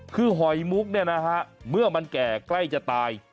คือหอยมุกเนี่ยนะฮะเมื่อมันแก่ใกล้จะตาย